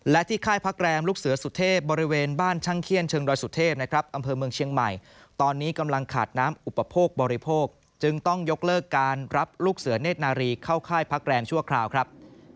และที่ค่ายพักแรมลูกเสือสุเทพบริเวณบ้านช่างเขี้ยนเชิงดอยสุเทพนะครับอำเภอเมืองเชียงใหม่ตอนนี้กำลังขาดน้ำอุปโภคบริโภคจึงต้องยกเลิกการรับลูกเสือเนธนารีเข้าค่ายพักแรมชั่วคราวครับ